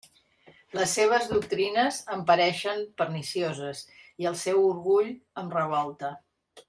Les seves doctrines em pareixen pernicioses, i el seu orgull em revolta.